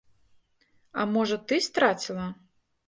А можа, ты страціла?